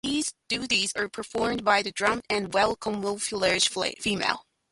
These duties are performed by the drab and well-camouflaged female.